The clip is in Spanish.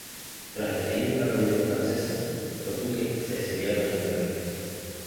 Tras el estallido de la Revolución francesa, los duques se exiliaron en Inglaterra.